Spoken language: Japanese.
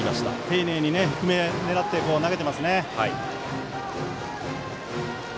丁寧に低めを狙って投げています。